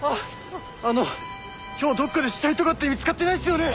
あの今日どっかで死体とかって見つかってないっすよね！？